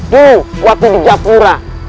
dulu waktu di japura